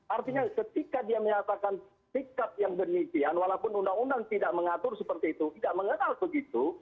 artinya ketika dia menyatakan sikap yang demikian walaupun undang undang tidak mengatur seperti itu tidak mengenal begitu